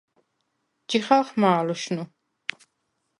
ჯიხალხმა̄ ლუშნუ?